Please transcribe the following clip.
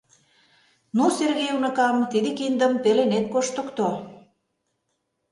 — Ну, Сергей уныкам, тиде киндым пеленет коштыкто.